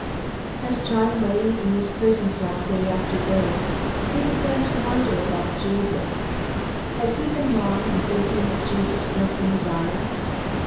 As John lay in his prison cell day after day, he began to wonder about Jesus. Had he been wrong in thinking that Jesus was the Messiah?